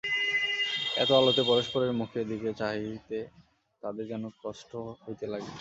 এত আলোতে পরস্পরের মুখের দিকে চাহিতে তাদের যেন কষ্ট হইতে লাগিল।